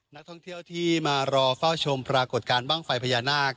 นักท่องเที่ยวที่มารอเฝ้าชมปรากฏการณ์บ้างไฟพญานาค